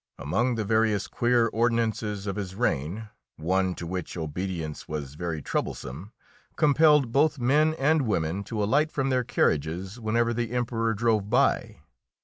Among the various queer ordinances of his reign, one, to which obedience was very troublesome, compelled both men and women to alight from their carriages whenever the Emperor drove by.